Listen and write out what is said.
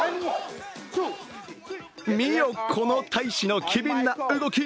見よ、この大使の機敏な動き！